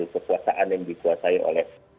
kekuasaan yang disuasai oleh